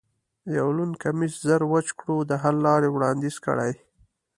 یو لوند کمیس زر وچ کړو، د حل لارې وړاندیز کړئ.